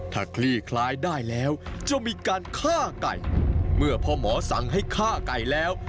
ถ้าคลี่คลายได้แล้วจะมีการฆ่าไก่เมื่อพ่อหมอสั่งให้ฆ่าไก่แล้ว